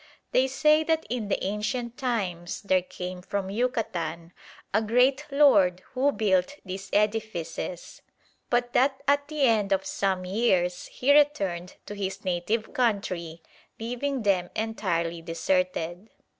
They say that in the ancient times there came from Yucatan a great lord who built these edifices, but that at the end of some years he returned to his native country, leaving them entirely deserted.